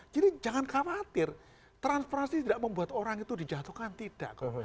jadi jangan khawatir transparan sih tidak membuat orang itu dijatuhkan tidak kok